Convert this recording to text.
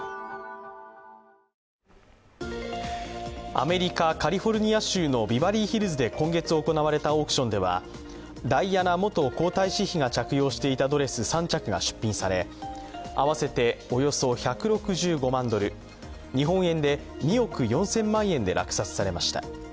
アメリカ・カリフォルニア州のビバリーヒルズで今月行われたオークションではダイアナ元皇太子妃が着用していたドレス３着が出品され合わせておよそ１６５万ドル、日本円で２億４０００万円で落札されました。